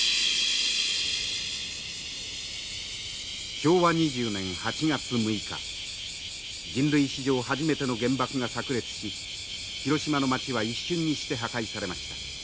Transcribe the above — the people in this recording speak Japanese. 昭和２０年８月６日人類史上初めての原爆がさく裂し広島の町は一瞬にして破壊されました。